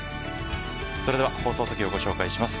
それでは放送席をご紹介します。